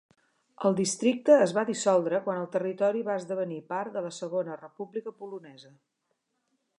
El districte es va dissoldre quan el territori va esdevenir part de la Segona República Polonesa.